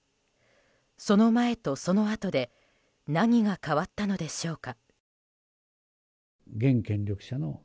その前と、そのあとで何が変わったのでしょうか。